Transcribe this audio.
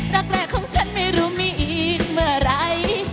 แรกของฉันไม่รู้มีอีกเมื่อไหร่